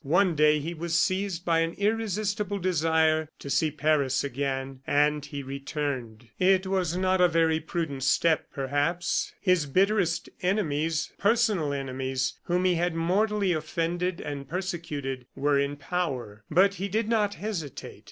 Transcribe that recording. One day he was seized by an irresistible desire to see Paris again, and he returned. It was not a very prudent step, perhaps. His bitterest enemies personal enemies, whom he had mortally offended and persecuted were in power; but he did not hesitate.